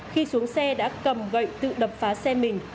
khi xuống xe đã cầm gậy tự đập phá xe mình